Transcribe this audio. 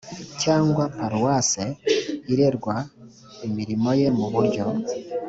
cyangwa paruwase irerwa imirimo ye mu buryo